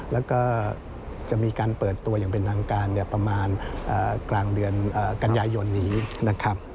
แล้วก็จะมีการเปิดตัวอย่างเป็นทางการประมาณกลางเดือนกันยายนนี้นะครับ